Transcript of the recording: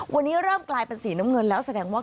วันนี้เริ่มกลายเป็นสีน้ำเงินแล้วแสดงว่า